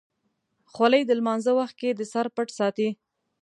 خولۍ د لمانځه وخت کې د سر پټ ساتي.